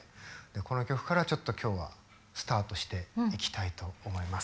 この曲からちょっと今日はスタートしていきたいと思います。